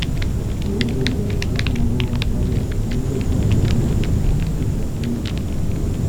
Его твердая рука помогала направлять Организацию Объединенных Наций в непростые времена.